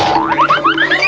ya allah ya allah